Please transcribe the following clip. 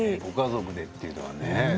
ご家族っていうのがね